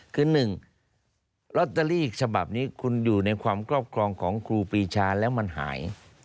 คือ๑ลอตเตอรี่ฉบับนี้คุณอยู่ในความครอบครองของครูปีชาแล้วมันหาย